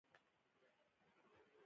په برین سټارمینګ کې یو ګروپ جوړیږي.